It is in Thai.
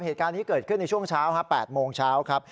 เหตุการณ์นี้เกิดขึ้นในช่วงเช้า๘โมงเช้าครับ